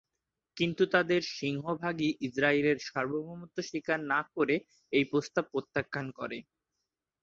কিন্তু তাদের সিংহভাগই ইসরায়েলের সার্বভৌমত্ব স্বীকার করে না বলে এই প্রস্তাব প্রত্যাখ্যান করে।